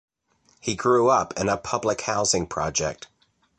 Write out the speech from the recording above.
He grew up in a public housing project.